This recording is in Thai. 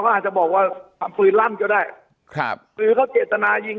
ก็อาจจะบอกว่าความฝืนร่ำเกี่ยวได้ครับหรือเขาเกตนายิง